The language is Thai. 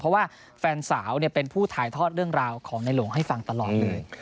เพราะว่าแฟนสาวเป็นผู้ถ่ายทอดเรื่องราวของในหลวงให้ฟังตลอดเลย